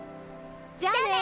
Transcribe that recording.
じゃあね！